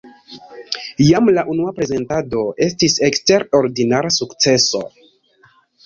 Jam la unua prezentado estis eksterordinara sukceso.